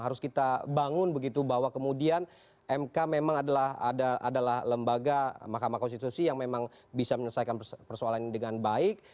harus kita bangun begitu bahwa kemudian mk memang adalah lembaga mahkamah konstitusi yang memang bisa menyelesaikan persoalan ini dengan baik